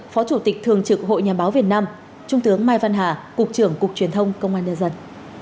phó chủ tịch thường trực hội nhà báo việt nam trung tướng mai văn hà cục trưởng cục truyền thông công an nhân dân